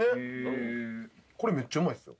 これめっちゃうまいっす。